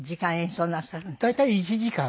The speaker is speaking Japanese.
大体１時間。